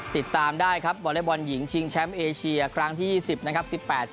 ติดตามได้ครับวอเล็กบอลหญิงชิงแชมป์เอเชียครั้งที่๒๐นะครับ